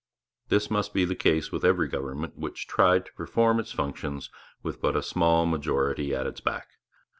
This must be the case with every government which tried to perform its functions with but a small majority at its back.